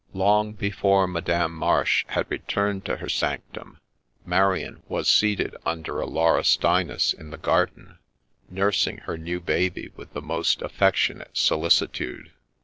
Long before Madame Marsh bad returned to her Sanctum, Marian was seated under a laurestinus in the garden, nursing her new baby with the most affectionate solicitude.